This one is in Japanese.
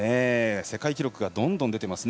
世界記録がどんどん出ていますね。